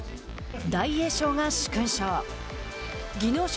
大栄翔が殊勲賞。